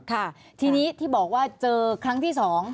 ทีนี้ที่บอกว่าเจอครั้งที่สอง